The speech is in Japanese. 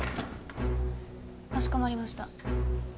かしこまりました。